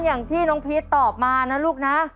อย่างที่น้องพีชตอบมานะลูกนะ